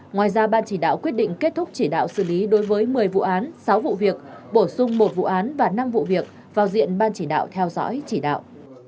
ngoài ra ban chỉ đạo quyết định kết thúc chỉ đạo xử lý đối với một mươi vụ án sáu vụ việc bổ sung một vụ án và năm vụ việc vào diện ban chỉ đạo theo dõi chỉ đạo